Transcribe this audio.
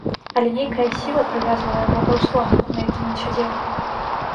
Але нейкая сіла прывязвала яго да ўслона, на якім ён сядзеў.